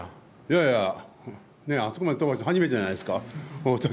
いやいやあそこまで飛ばしたの初めてじゃないですか。